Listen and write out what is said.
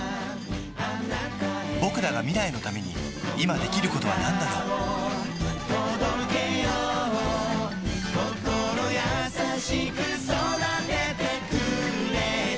ぼくらが未来のために今できることはなんだろう心優しく育ててくれた